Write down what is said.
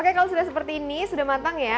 oke kalau sudah seperti ini sudah matang ya